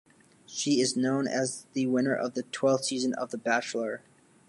She is known as the winner of the twelfth season of "The Bachelor".